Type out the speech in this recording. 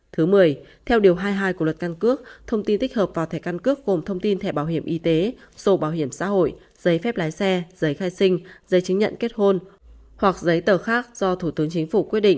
thứ một mươi theo điều hai mươi hai của luật căn cước thông tin tích hợp vào thẻ căn cước gồm thông tin thẻ bảo hiểm y tế sổ bảo hiểm xã hội giấy phép lái xe giấy khai sinh giấy chứng nhận kết hôn hoặc giấy tờ khác do thủ tướng chính phủ quyết định